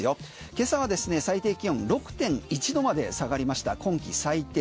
今朝はですね最低気温６．１度まで下がりました、今季最低。